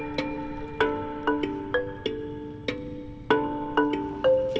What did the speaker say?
perubahan kondisi di sekitar teluk benoa